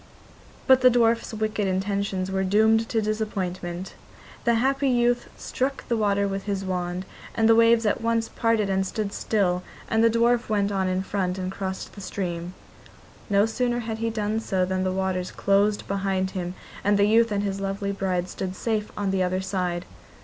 But the dwarf's wicked intentions were doomed to disappointment. The happy youth struck the water with his wand, and the waves at once parted and stood still, and the dwarf went on in front and crossed the stream. No sooner had he done so than the waters closed behind him, and the youth and his lovely bride stood safe on the other side.